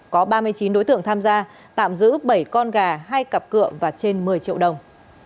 có ba mươi chín đối tượng tham gia tạm giữ bảy con gà hai cặp cựa và trên một mươi triệu đồng